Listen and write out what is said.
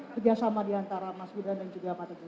kerjasama diantara mas gibran dan juga pak teguh